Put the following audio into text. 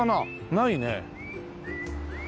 ないね。